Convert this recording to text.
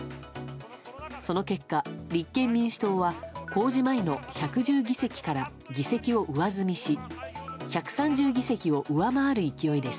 その結果、立憲民主党は公示前の１１０議席から議席を上積みし１３０議席を上回る勢いです。